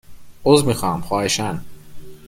عذر می خواهم؛ خواهشاً